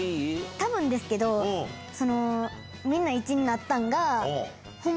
多分ですけどみんな一致になったんが。